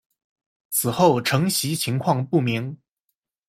此后承袭情况不明。